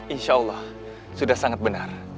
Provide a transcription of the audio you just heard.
insya allah sudah sangat benar